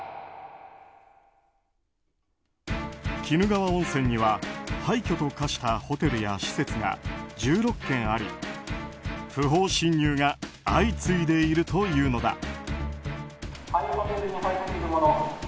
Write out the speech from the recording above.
鬼怒川温泉には廃虚と化したホテルや施設が１６軒あり不法侵入が相次いでいるというのだ。